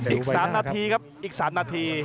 อีก๓นาทีครับอีก๓นาที